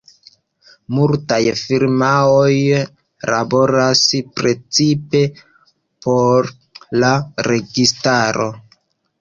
Multaj firmaoj laboras precipe por la registaro.